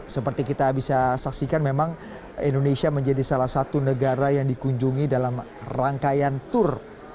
seperti kita bisa saksikan memang indonesia menjadi salah satu negara yang dikunjungi dalam rangkaian tour